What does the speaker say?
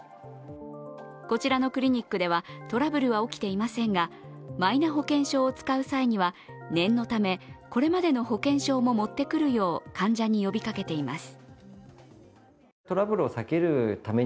こちらのクリニックではトラブルは起きていませんがマイナ保険証を使う際には念のため、これまでの保険証も持ってくるよう患者に呼びかけています。